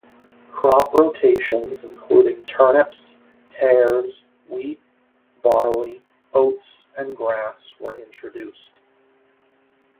Crop rotations including turnips, tares, wheat, barley, oats and grass were introduced.